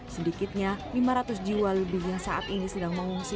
sedikitnya lima ratus jiwa lebih yang saat ini sedang mengungsi